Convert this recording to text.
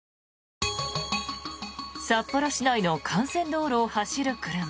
札幌市内の幹線道路を走る車。